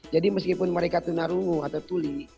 jadi meskipun mereka tunarungu atau tuli